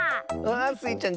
スイちゃん